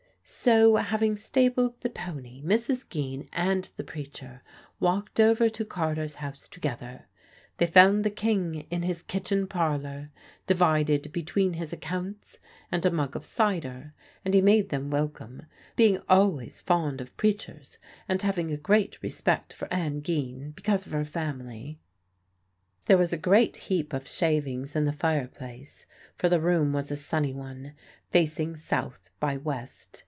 So, having stabled the pony, Mrs. Geen and the preacher walked over to Carter's house together. They found the King in his kitchen parlour, divided between his accounts and a mug of cider, and he made them welcome, being always fond of preachers and having a great respect for Ann Geen because of her family. There was a great heap of shavings in the fire place, for the room was a sunny one, facing south by west.